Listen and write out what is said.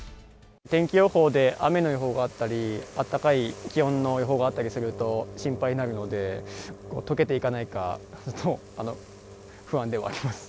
天気予報で雨の予報があったり、あったかい気温の予報があったりすると、心配になるので、とけていかないか、ちょっと不安ではあります。